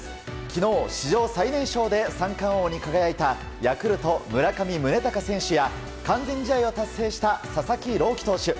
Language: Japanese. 昨日、史上最年少で三冠王に輝いたヤクルト村上宗隆選手や完全試合を達成した佐々木朗希投手。